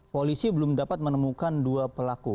polisi belum dapat menemukan dua pelaku